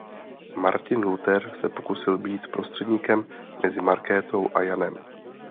Martin Luther se pokusil být prostředníkem mezi Markétou a Janem.